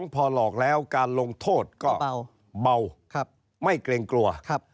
พอหลอกแล้วการลงโทษก็เบาไม่เกรงกลัว